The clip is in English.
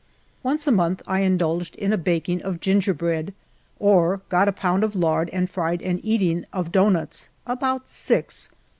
Once a month I indulged in a baking of gingerbread, or got a pound of lard and fried an eating of doughnuts, about six.